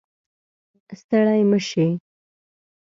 ستړی مشې